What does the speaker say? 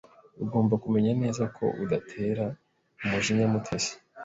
Ugomba kumenya neza ko udatera umujinya Mutesi.